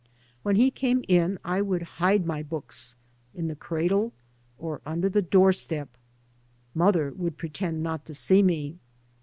When he came in I would hide my books in the cradle or under the door step. Mother would pretend not to see me.